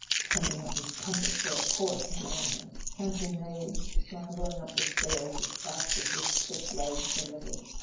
"Sending up his temperature, of course—damn him!" Campton raged, scrambling up the stairs as fast as his stiff leg permitted.